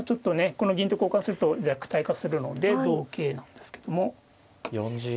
この銀と交換すると弱体化するので同桂なんですけども。